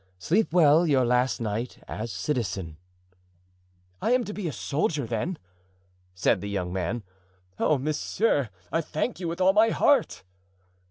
Sleep well your last night as citizen." "I am to be a soldier then?" said the young man. "Oh, monsieur, I thank you with all my heart."